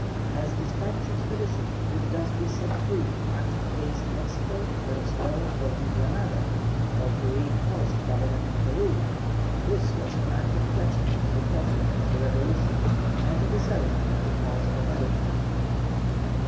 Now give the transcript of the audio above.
As the Spanish expedition would thus be set free to act against Mexico, Venezuela, or New Granada, or to reinforce the Government of Peru, this was an act of treachery to the programme of the revolution and a desertion of the cause of America.